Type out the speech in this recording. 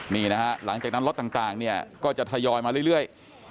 นี่นะฮะหลังจากนั้นรถต่างเนี่ยก็จะทยอยมาเรื่อย